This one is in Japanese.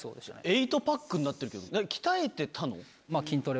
８パックになってるけど鍛えてたの？